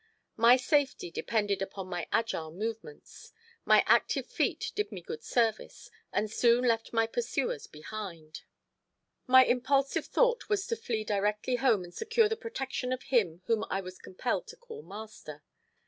My safety depended upon my agile movements. My active feet did me good service and soon left my pursuers far behind. My impulsive thought was to flee directly home and secure the protection of him whom I was compelled to call master.